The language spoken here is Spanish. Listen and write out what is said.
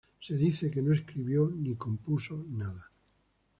Se dice que no escribió ni compuso nada.